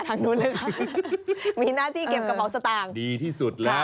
ทางนู้นเลยมีหน้าที่เข็มกระหมอกสตางค์